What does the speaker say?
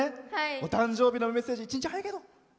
お誕生日のメッセージ１日早いけど。